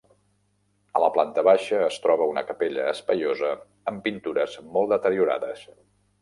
A la planta baixa es troba una capella espaiosa amb pintures molt deteriorades.